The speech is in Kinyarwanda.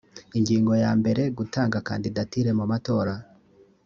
ingingo yambere gutanga kandidatire mumatora